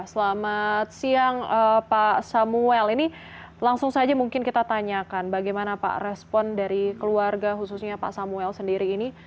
selamat siang pak samuel ini langsung saja mungkin kita tanyakan bagaimana pak respon dari keluarga khususnya pak samuel sendiri ini